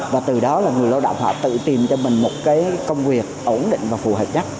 và từ đó là người lao động họ tự tìm cho mình một cái công việc ổn định và phù hợp nhất